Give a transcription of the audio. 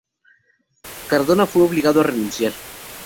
Cardona fue obligado a renunciar.